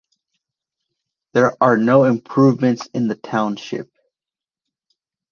There are no improvements in the Township.